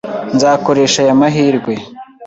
Nzakoresha aya mahirwe.